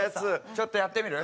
ちょっとやってみる？